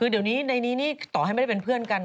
เดี๋ยวนี้ในนี้นี่ต่อให้ไม่ได้เป็นเพื่อนกัน